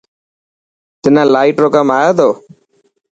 تنا لائٽ رو ڪم آڻي تو.